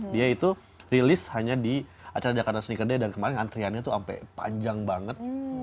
dia itu rilis hanya di acara jakarta sneaker day dan kemarin antriannya tuh sampai panjang banget